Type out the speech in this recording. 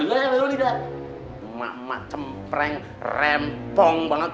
iya emak emak cempreng rempong banget